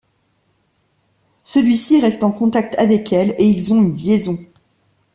Celui-ci reste en contact avec elle et ils ont une liaison.